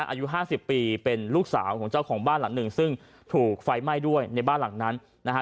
อายุห้าสิบปีเป็นลูกสาวของเจ้าของบ้านหลังหนึ่งซึ่งถูกไฟไหม้ด้วยในบ้านหลังนั้นนะฮะ